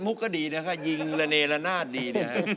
มุกก็ดีนะคะยิงระเนละนาศดี